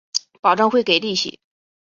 保证会给利息